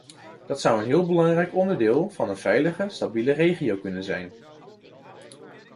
Dat zou een heel belangrijk onderdeel van een veilige, stabiele regio kunnen zijn.